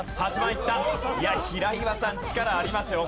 いや平岩さん力ありますよ